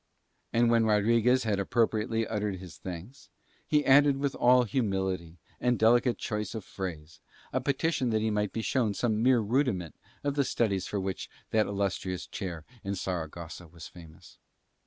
And when Rodriguez had appropriately uttered his thanks, he added with all humility and delicate choice of phrase a petition that he might be shown some mere rudiment of the studies for which that illustrious chair in Saragossa was famous.